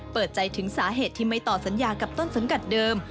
เปิดใจถึงสาเหตุที่ไม่ต่อสัญญากับต้นสังกัดเดิม